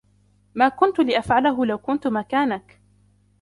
ما كنتُ لأفعله لو كنت مكانك.